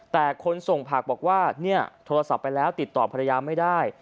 แต่คนส่งผักบอกว่าเนี่ยโทรศัพท์ไปแล้วติดต่อภรรยาไม่ได้